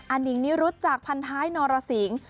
นิงนิรุธจากพันท้ายนรสิง